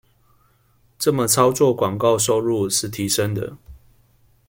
這麼操作廣告收入是提升的